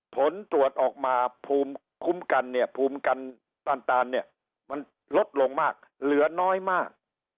ผลตรวจออกมาภูมิคุ้มกันเนี่ยภูมิกันตาลเนี่ยมันลดลงมากเหลือน้อยมาก